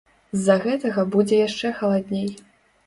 З-за гэтага будзе яшчэ халадней.